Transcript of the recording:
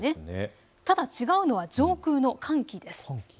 ただ違うのは上空の寒気です。